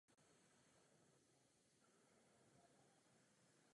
Po ukončení studií pracovala v knihkupectví dětské literatury v Pensylvánii.